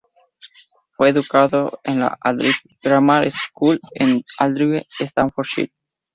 Fue educado en la "Aldridge Grammar School", en Aldridge, Staffordshire.